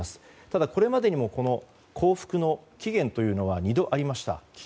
ただ、これまでにも降伏の期限は２度ありました。